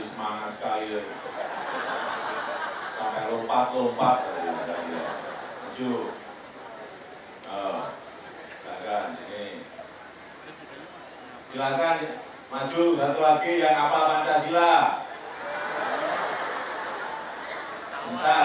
silakan maju satu lagi yang apa